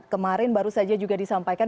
kemarin baru saja juga disampaikan